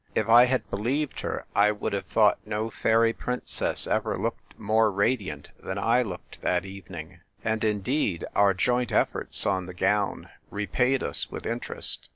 If I had believed her, I would have thought no fairy princess ever looked more radiant than 1 looked that even ing; and, indeed, our joint efforts on the gown repaid us with interest.